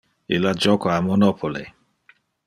Illa joca a Monopoly.